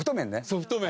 ソフト麺！